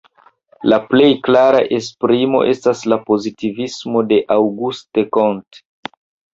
La plej klara esprimo estas la pozitivismo de Auguste Comte.